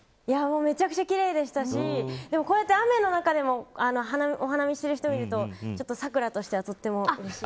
めちゃくちゃ奇麗でしたしこうやって雨の中でもお花見している人を見ると咲良としてはとてもうれしい。